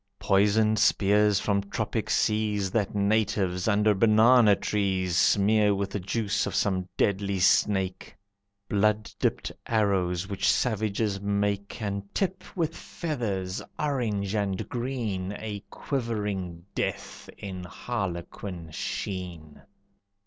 Poisoned spears from tropic seas, That natives, under banana trees, Smear with the juice of some deadly snake. Blood dipped arrows, which savages make And tip with feathers, orange and green, A quivering death, in harlequin sheen.